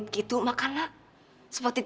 oh kena kita dikit ini